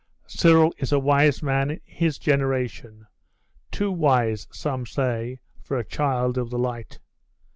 'Cyril is a wise man in his generation too wise, some say, for a child of the light.